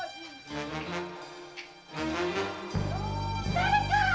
誰か！